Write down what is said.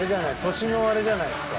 年のあれじゃないっすか？